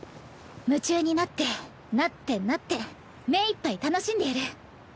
夢中になってなってなって目いっぱい楽しんでやる。